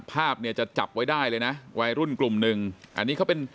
ภาพเนี่ยจะจับไว้ได้เลยนะวัยรุ่นกลุ่มหนึ่งอันนี้เขาเป็น